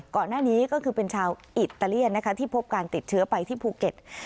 ก่อนหน้านี้ก็คือเป็นชาวอิตาเลียนนะคะที่พบการติดเชื้อไปที่ภูเก็ต